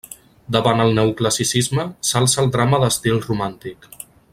Davant el neoclassicisme, s'alça el drama d'estil romàntic.